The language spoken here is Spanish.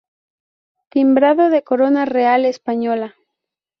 Timbrado de corona real española".